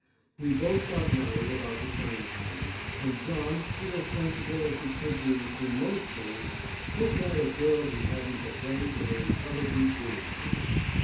We both got married about the same time, and John who was sensible as he could be in most things, picked out a girl who hadn't the brains of an intelligent guinea pig.